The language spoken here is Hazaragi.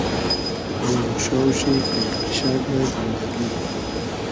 رۉز و شاو شی قݷ قیشئگۂ زیندئگی